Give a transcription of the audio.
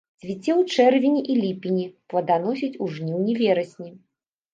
Цвіце ў чэрвені і ліпені, плоданасіць у жніўні-верасні.